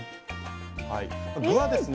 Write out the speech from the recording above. これ具はですね